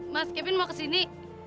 mas kevin mau ke sini